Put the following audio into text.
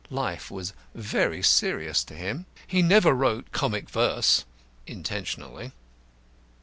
Life was very serious to him. He never wrote comic verse intentionally.